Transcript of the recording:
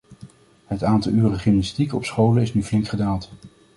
Het aantal uren gymnastiek op scholen is nu flink gedaald.